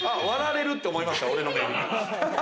割られるって思いました？